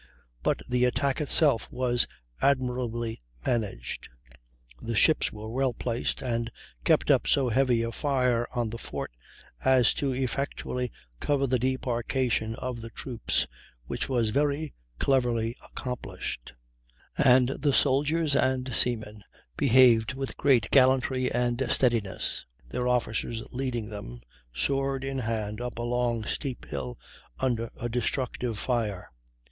But the attack itself was admirably managed. The ships were well placed, and kept up so heavy a fire on the fort as to effectually cover the debarkation of the troops, which was very cleverly accomplished; and the soldiers and seamen behaved with great gallantry and steadiness, their officers leading them, sword in hand, up a long, steep hill, under a destructive fire.